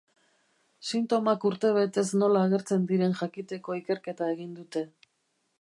Sintomak urtebetez nola agertzen diren jakiteko ikerketa egin dute.